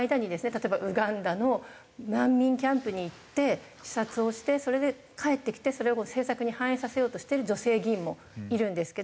例えばウガンダの難民キャンプに行って視察をしてそれで帰ってきてそれを政策に反映させようとしてる女性議員もいるんですけど。